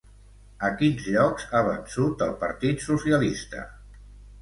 A quins llocs ha vençut el partit socialista?